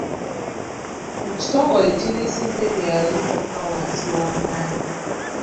Ekitongole kiriisizza ebyalo ebitakka wansi wa munaana.